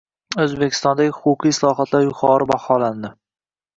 O‘zbekistondagi huquqiy islohotlar yuqori baholandi